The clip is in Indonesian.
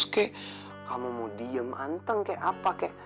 terus kek kamu mau diem anteng kek apa kek